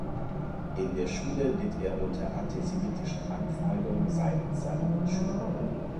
In der Schule litt er unter antisemitischen Anfeindungen seitens seiner Mitschüler.